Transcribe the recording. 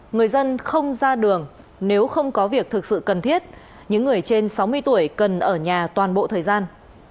người dân không ra đường nếu không có việc thực sự cần thiết những người trên sáu mươi tuổi cần ở nhà toàn bộ thời gian